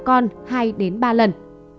con hai ba lần